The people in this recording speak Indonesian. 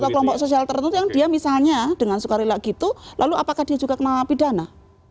atau kelompok sosial tertentu yang dia misalnya dengan sukarela gitu lalu apakah dia juga kenapa pidana